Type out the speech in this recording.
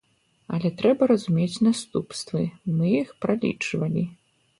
Але трэба разумець наступствы, мы іх пралічвалі.